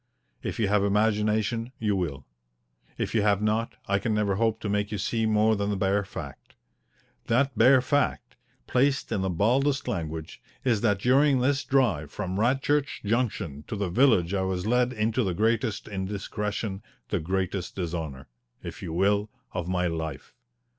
If you have imagination, you will. If you have not, I can never hope to make you see more than the bare fact. That bare fact, placed in the baldest language, is that during this drive from Radchurch Junction to the village I was led into the greatest indiscretion the greatest dishonour, if you will of my life.